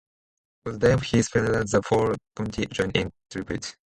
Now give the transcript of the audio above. On the day of his funeral, the whole community joined in tribute.